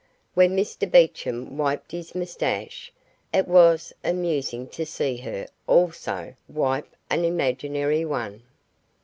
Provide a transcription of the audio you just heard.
When Mr Beecham wiped his moustache, it was amusing to see her also wipe an imaginary one.